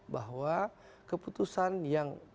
bahwa keputusan yang